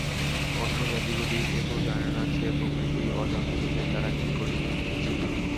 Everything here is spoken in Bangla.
অন্য জাতিগুলি কেবল জানে না যে, প্রকৃতি অজান্তে তাদের দ্বারা কি করিয়ে নিচ্ছে।